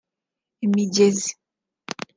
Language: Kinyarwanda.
imigezi